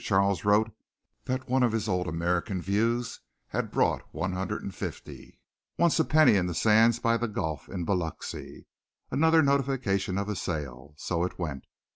Charles wrote that one of his old American views had brought one hundred and fifty; once a penny in sands by the Gulf in Biloxi another notification of a sale. So it went.